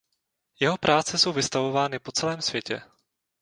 Jeho práce jsou vystavovány po celém světě.